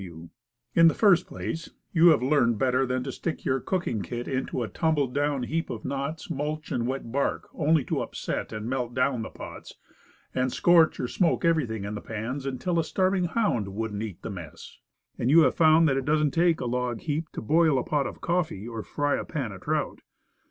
W. "In the first place, you have learned better than to stick your cooking kit into a tumbled down heap of knots, mulch and wet bark, only to upset and melt down the pots, and scorch or smoke everything in the pans, until a starving hound wouldn't eat the mess. And you have found that it don't take a log heap to boil a pot of coffee or fry a pan of trout.